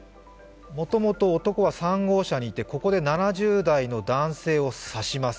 元々男は３号車にいて、ここで７０代の男性を刺します。